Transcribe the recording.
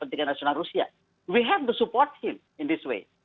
kedua kita harus mendukung dia